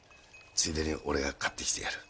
ついでに俺が買ってきてやる。